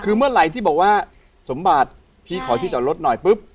คือเมื่อไหร่ที่บอกว่าสมบัติพี่ขอที่จอดรถหน่อยปุ๊บ